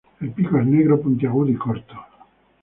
El pico es negro, puntiagudo y corto.